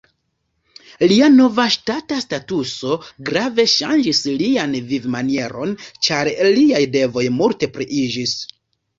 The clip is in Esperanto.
Lia nova ŝtata statuso grave ŝanĝis lian vivmanieron, ĉar liaj devoj multe pliiĝis.